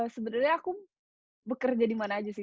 sebenarnya aku bekerja di mana aja sih